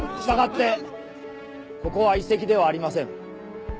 従ってここは遺跡ではありません。